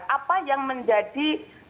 apa yang menjadi